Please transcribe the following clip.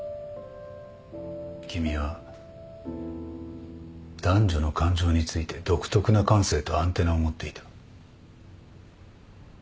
君は男女の感情について独特な感性とアンテナを持っていた。